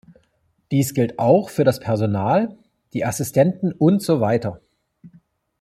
Dies gilt auch für das Personal, die Assistenten und so weiter.